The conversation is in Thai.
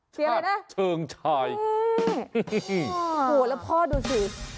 เสียอะไรนะฮือโหแล้วพ่อดูสิ